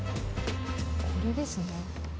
これですね。